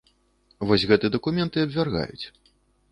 Вось гэты дакумент і абвяргаюць.